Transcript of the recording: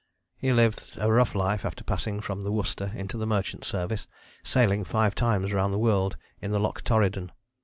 He lived a rough life after passing from the Worcester into the merchant service, sailing five times round the world in the Loch Torridon.